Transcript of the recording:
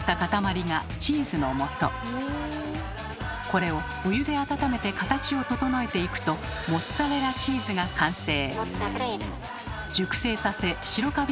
これをお湯で温めて形を整えていくとモッツァレラチーズが完成。